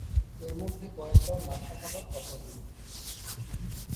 এর মধ্যে কয়েক বার নাশতা খাবার কথা বলল।